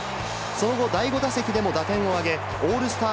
その後、第５打席でも打点を挙げ、オールスター